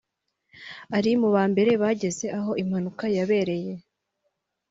ari mu ba mbere bageze aho impanuka yabereye